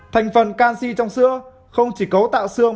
thành phần canxi trong sữa không chỉ cấu tạo xương